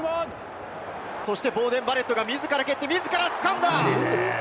そしてボーデン・バレットが自ら蹴って自らつかんだ。